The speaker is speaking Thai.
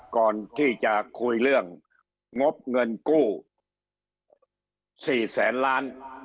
ก่อนที่จะคุยเรื่องงบเงินกู้๔แสนล้าน